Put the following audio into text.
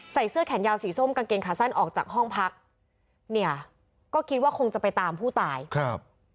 เสื้อแขนยาวสีส้มกางเกงขาสั้นออกจากห้องพักเนี่ยก็คิดว่าคงจะไปตามผู้ตายครับ